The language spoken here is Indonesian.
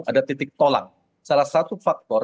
ada titik tolak salah satu faktor